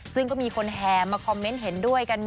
ซึ่งก็มีคนแห่มาคอมเมนต์เห็นด้วยกัน